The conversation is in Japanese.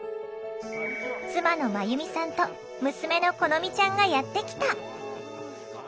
妻の真弓さんと娘の好美ちゃんがやって来た！